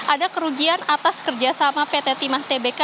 ada kerugian atas kerjasama pt timah tbk